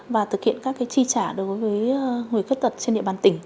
và thực hiện các chi trả đối với người khuyết tật trên địa bàn tỉnh